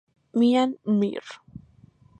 Mean Mr.